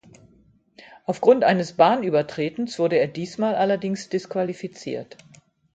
Aufgrund eines Bahnübertretens wurde er diesmal allerdings disqualifiziert.